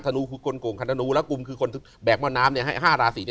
ธนูคือคนโก่งธนูและกุมคือคนแบกเมื่อน้ำ